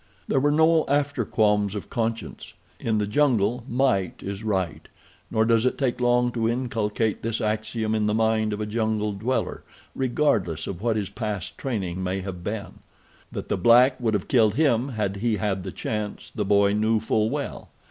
There were no after qualms of conscience. In the jungle might is right, nor does it take long to inculcate this axiom in the mind of a jungle dweller, regardless of what his past training may have been. That the black would have killed him had he had the chance the boy knew full well.